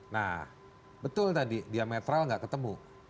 nah betul tadi diametral nggak ketemu